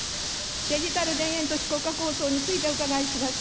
デジタル田園都市国家構想について、お伺いします。